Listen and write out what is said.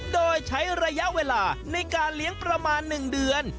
โดยใช้ระยะเวลาในการเลี้ยงประมาณ๑เดือน